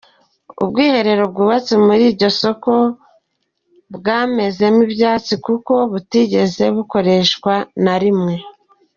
Ubwiherero bwubatse muri iryo soko bwamezemo ibyatsi kuko butigeze bukoreshwa na rimwe.